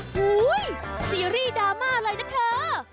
หู้ยซีรีส์ดราม่าอะไรนะเถอะ